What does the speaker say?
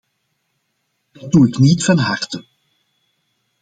Dat doe ik niet van harte.